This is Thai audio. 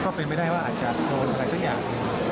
ก็เป็นไม่ได้ว่าอาจจะโดนอะไรสักอย่าง